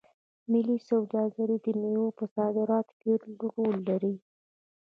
ملي سوداګر د میوو په صادراتو کې رول لري.